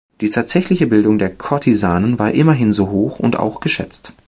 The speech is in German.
Die tatsächliche Bildung der Kurtisanen war immerhin so hoch und auch geschätzt.